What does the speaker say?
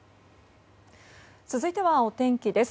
続いてはお天気です。